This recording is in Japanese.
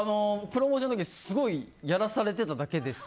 プロモーションですごいやらされてただけです。